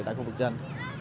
tại khu vực trên